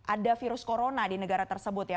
ada virus corona di negara tersebut ya